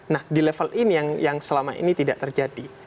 nah di level ini yang selama ini tidak terjadi